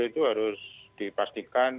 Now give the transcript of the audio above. itu harus dipastikan